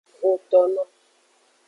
Xotono.